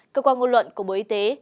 cơ quan ngôn luận của bộ y tế